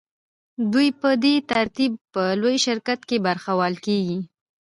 دوی په دې ترتیب په لوی شرکت کې برخوال کېږي